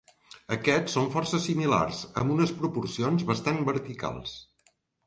Aquests són força similars amb unes proporcions bastant verticals.